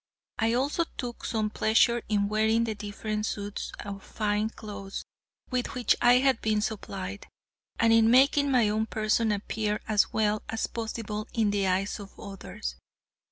I also took some pleasure in wearing the different suits of fine clothes with which I had been supplied, and in making my own person appear as well as possible in the eyes of others.